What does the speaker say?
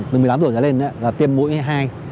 từ một mươi tám tuổi ra lên là tiêm mũi hai